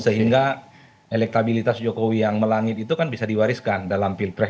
sehingga elektabilitas jokowi yang melangit itu kan bisa diwariskan dalam pilpres